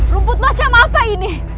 rumput macam apa ini